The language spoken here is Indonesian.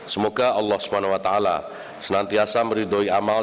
semoga allah swt senantiasa meridoi amal